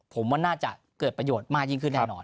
ผมว่าน่าจะเกิดประโยชน์มากยิ่งขึ้นแน่นอน